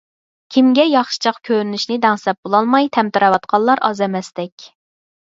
كىمگە ياخشىچاق كۆرۈنۈشنى دەڭسەپ بولالماي تەمتىرەۋاتقانلار ئاز ئەمەستەك.